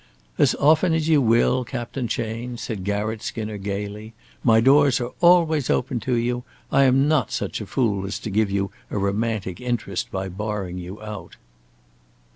"As often as you will, Captain Chayne," said Garratt Skinner, gaily. "My doors are always open to you. I am not such a fool as to give you a romantic interest by barring you out."